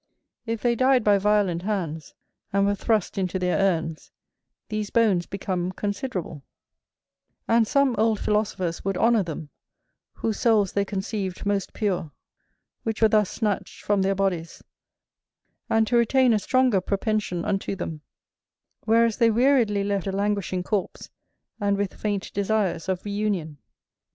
If they died by violent hands, and were thrust into their urns, these bones become considerable, and some old philosophers would honour them, whose souls they conceived most pure, which were thus snatched from their bodies, and to retain a stronger propension unto them; whereas they weariedly left a languishing corpse and with faint desires of re union.